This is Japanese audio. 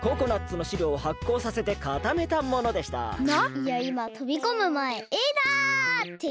いやいまとびこむまえ「Ａだ！」っていってたし。